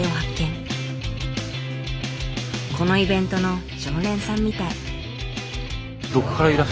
このイベントの常連さんみたい。